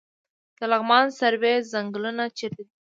د لغمان سروې ځنګلونه چیرته دي؟